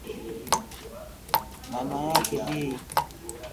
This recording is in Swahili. Mama yake Bi